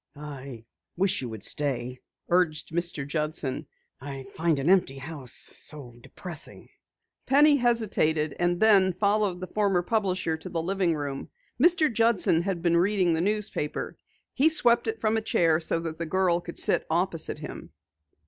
"I wish you would stay," urged Mr. Judson. "I find an empty house so depressing." Penny hesitated, and then followed the former publisher to the living room. Mr. Judson had been reading the newspaper. He swept it from a chair so that the girl could sit opposite him.